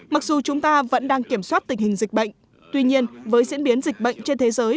mặc dù chúng ta vẫn đang kiểm soát tình hình dịch bệnh tuy nhiên với diễn biến dịch bệnh trên thế giới